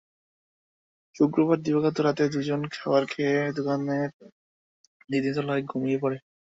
শুক্রবার দিবাগত রাতে দুজন খাবার খেয়ে দোকানের দ্বিতীয় তলায় ঘুমিয়ে পড়ে।